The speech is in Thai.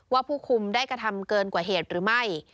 ผู้คุมได้กระทำเกินกว่าเหตุหรือไม่